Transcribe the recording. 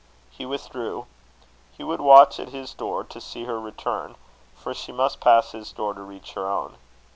He withdrew. He would watch at his door to see her return, for she must pass his door to reach her own.